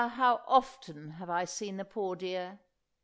how often have I seen the poor dear——!"